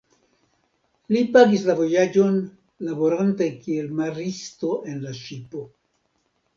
Li pagis la vojaĝon laborante kiel maristo en la ŝipo.